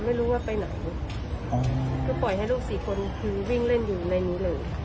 ไม่รู้ว่าไปไหนคือปล่อยให้ลูกสี่คนคือวิ่งเล่นอยู่ในนี้เลย